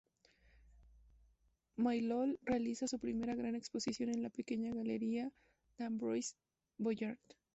Maillol realiza su primera gran exposición en la pequeña galería de Ambroise Vollard.